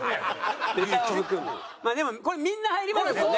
「ネタを含む」でもこれみんな入りますもんね。